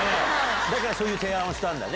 だからそういう提案をしたんだね。